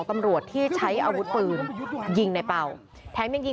มันรู้ไว้ไซมูนมันติผมแบบนี้